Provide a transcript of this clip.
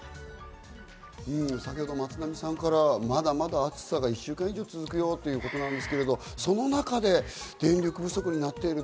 先ほど松並さんからまだまだ暑さが１週間以上続くよということですけれど、その中で電力不足になっている。